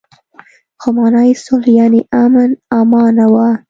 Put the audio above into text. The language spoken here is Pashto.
خو مانا يې صلح يانې امن آمنه وه.